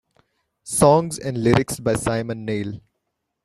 Songs and lyrics by Simon Neil.